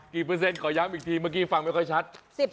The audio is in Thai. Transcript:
เปอร์เซ็นขอย้ำอีกทีเมื่อกี้ฟังไม่ค่อยชัด